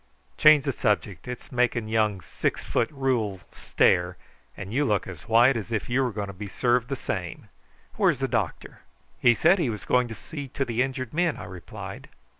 Change the subject; it's making young Six foot Rule stare, and you look as white as if you were going to be served the same. Where's the doctor?" "He said he was going to see to the injured men," I replied.